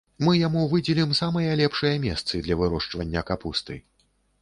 Мы яму выдзелім самыя лепшыя месцы для вырошчвання капусты.